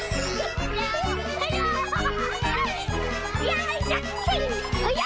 よいしょ！